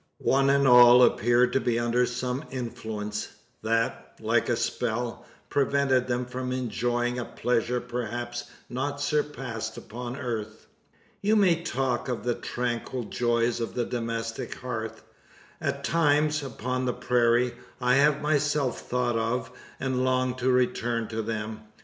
One and all appeared to be under some influence, that, like a spell, prevented them from enjoying a pleasure perhaps not surpassed upon earth. You may talk of the tranquil joys of the domestic hearth. At times, upon the prairie, I have myself thought of, and longed to return to them.